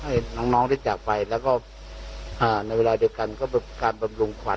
ให้น้องได้จากไปแล้วก็ในเวลาเดียวกันก็เป็นการบำรุงขวัญ